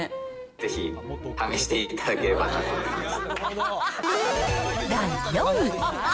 ぜひ試していただければなと思います。